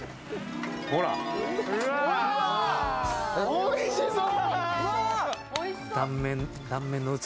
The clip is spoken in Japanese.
おいしそう！